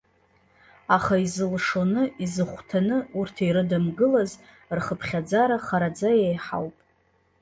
Аха изылшоны, изыхәҭаны урҭ ирыдымгылаз рхыԥхьаӡара хараӡа еиҳауп.